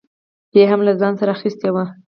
به یې هم له ځان سره اخیستې وه.